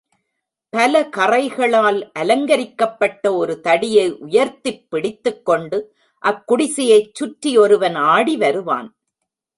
பலகறைகளால் அலங்கரிக்கப்பட்ட ஒரு தடியை உயர்த்திப் பிடித்துக்கொண்டு, அக் குடிசையைச் சுற்றி ஒருவன் ஆடி வருவான்.